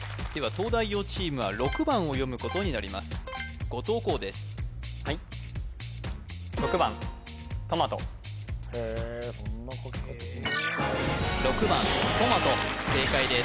東大王チームは６番を読むことになります後藤弘ですはい６番トマト正解です